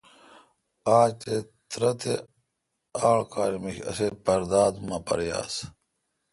اج داترہ تے آڑ کال میݭ اسے پرداداُماپر یاس۔